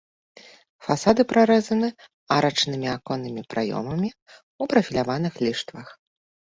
Фасады прарэзаны арачнымі аконнымі праёмамі ў прафіляваных ліштвах.